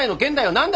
何だ？